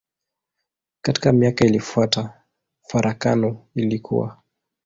Katika miaka iliyofuata farakano ilikua.